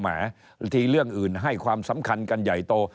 บางทีเรื่องอื่นให้ความสำคัญกันใหญ่โต